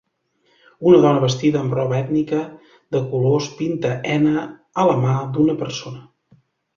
Una dona vestida amb roba ètnica de colors pinta henna a la mà d'una persona.